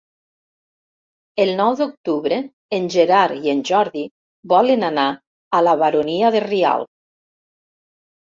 El nou d'octubre en Gerard i en Jordi volen anar a la Baronia de Rialb.